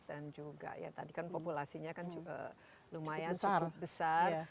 dan juga tadi kan populasinya kan juga lumayan cukup besar